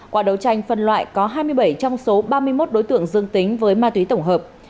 qua đấu tranh phân loại có hai mươi bảy trong số ba mươi một đối tượng dương tính với ma túy tổng hợp